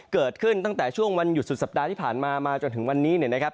เกิดขึ้นตั้งแต่ช่วงวันหยุดสุดสัปดาห์ที่ผ่านมามาจนถึงวันนี้เนี่ยนะครับ